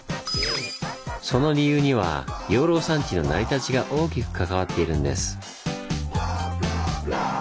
その理由には養老山地の成り立ちが大きく関わっているんです。